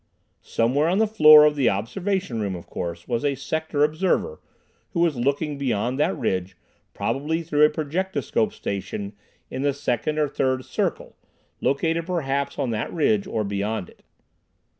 Somewhere on the floor of the Observation room, of course, was a Sector Observer who was looking beyond that ridge, probably through a projectoscope station in the second or third "circle," located perhaps on that ridge or beyond it.